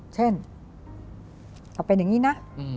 เช่นเอาเป็นอย่างนี้นะ